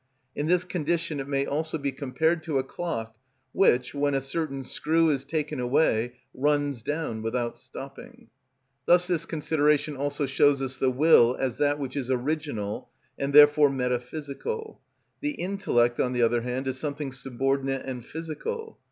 In this condition it may also be compared to a clock which, when a certain screw is taken away, runs down without stopping. Thus this consideration also shows us the will as that which is original, and therefore metaphysical; the intellect, on the other hand, as something subordinate and physical.